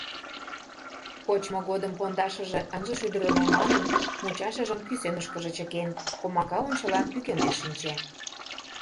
Кочмо годым пондашыже ынже шӱдырныл манын, мучашыжым кӱсенышкыже чыкен, комака ончылан пӱкенеш шинче.